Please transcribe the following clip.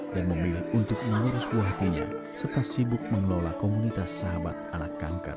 dan memilih untuk menerus kuah hatinya serta sibuk mengelola komunitas sahabat anak kanker